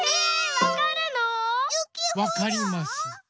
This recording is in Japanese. わかります。